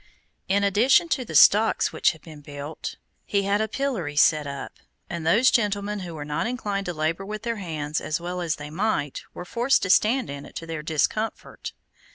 In addition to the stocks which had been built, he had a pillory set up, and those gentlemen who were not inclined to labor with their hands as well as they might, were forced to stand in it to their discomfort.